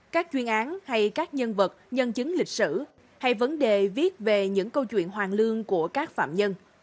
các chuyên án hay các nhân vật nhân chứng lịch sử hay vấn đề viết về những câu chuyện hoàng lương của các phạm nhân